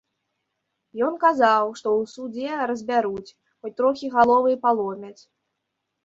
Ён казаў, што ў судзе разбяруць, хоць трохі галовы і паломяць.